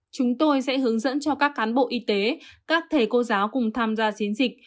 chúng tôi sẽ hướng dẫn cho các cán bộ y tế các thầy cô giáo cùng tham gia chiến dịch